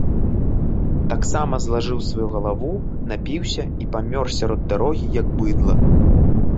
Таксама злажыў сваю галаву, напіўся і памёр сярод дарогі, як быдла.